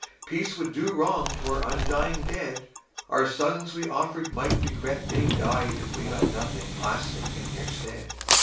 Peace would do wrong to our undying dead, The sons we offered might regret they died If we got nothing lasting in their stead.